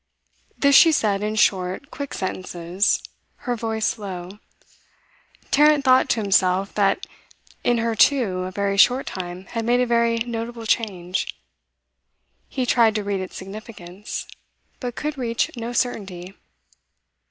This she said in short, quick sentences, her voice low. Tarrant thought to himself that in her too, a very short time had made a very notable change; he tried to read its significance, but could reach no certainty.